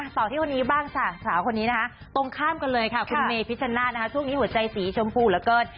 ต่อที่คนนี้บ้างจ้ะสาวคนนี้นะคะตรงข้ามกันเลยค่ะคุณเมพิชชนาธินะคะช่วงนี้หัวใจสีชมพูเหลือเกิน